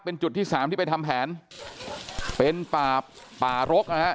เป็นจุดที่สามที่ไปทำแผนเป็นป่าป่ารกนะฮะ